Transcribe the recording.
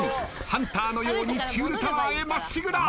ハンターのようにちゅるタワーへまっしぐら。